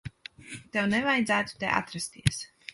Tev nevajadzētu te atrasties.